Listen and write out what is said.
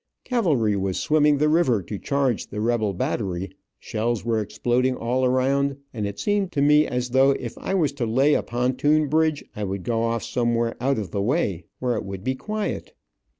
Cavalry was swimming the river to charge the rebel battery, shells were exploding all around, and it seemed to me as though if I was to lay a pontoon bridge I would go off somewhere out of the way, where it would be quiet.